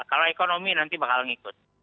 kalau ekonomi nanti bakal ngikut